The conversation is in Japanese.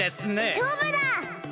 しょうぶだ！